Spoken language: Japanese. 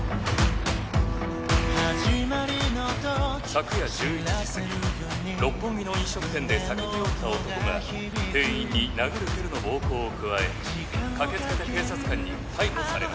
「昨夜１１時過ぎ六本木の飲食店で酒に酔った男が店員に殴る蹴るの暴行を加え駆けつけた警察官に逮捕されました」